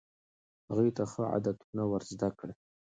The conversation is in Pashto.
هغوی ته ښه عادتونه ور زده کړئ.